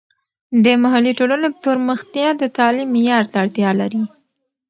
د محلي ټولنو پرمختیا د تعلیم معیار ته اړتیا لري.